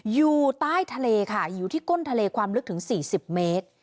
อยู่ใต้ทะเลค่ะอยู่ที่ก้นทะเลความลึกถึง๔๐เมตร